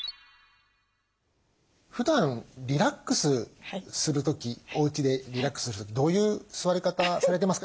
ふだんリラックスする時おうちでリラックスする時どういう座り方されてますか？